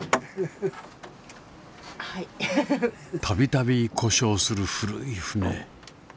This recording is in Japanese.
たびたび故障する古い船。